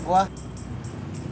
nggak ada siapa lagi